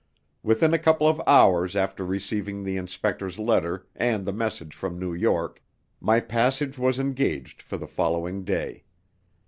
Within a couple of hours after receiving the inspector's letter and the message from New York my passage was engaged for the following day.